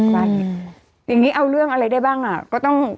ฟันอย่างนี้เอาเรื่องอะไรได้บ้างอ่ะก็ต้อง